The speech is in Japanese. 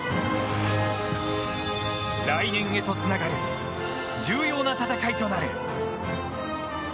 来年へとつながる重要な戦いとなる。